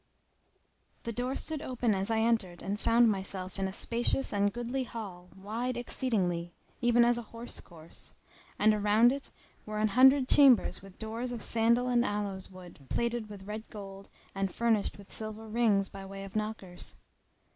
The door stood open as I entered and found myself in a spacious and goodly hall, wide exceedingly, even as a horse course; and around it were an hundred chambers with doors of sandal and aloes woods plated with red gold and furnished with silver rings by way of knockers.